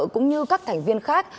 cũng như các thành viên khác